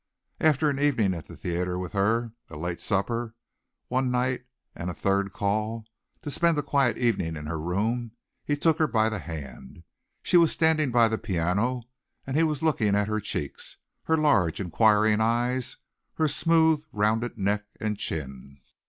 After an evening at the theatre with her, a late supper one night and a third call, to spend a quiet evening in her room, he took her by the hand. She was standing by the piano and he was looking at her cheeks, her large inquiring eyes, her smooth rounded neck and chin.